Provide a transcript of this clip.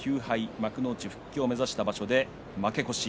幕内復帰を目指した場所で負け越し。